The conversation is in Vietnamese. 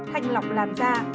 thành lọc làn da